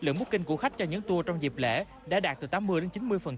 lượng booking của khách cho những tour trong dịp lễ đã đạt từ tám mươi đến chín mươi